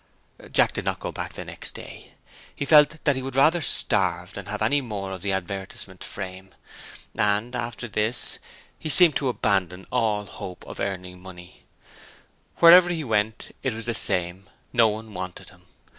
Jack did not go back the next day; he felt that he would rather starve than have any more of the advertisement frame, and after this he seemed to abandon all hope of earning money: wherever he went it was the same no one wanted him.